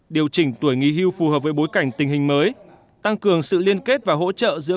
điều chỉnh tuổi nghỉ hưu phù hợp với bối cảnh tình hình mới tăng cường sự liên kết và hỗ trợ giữa